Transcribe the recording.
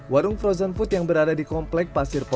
warung frozen food yang berada di komplek pasir putih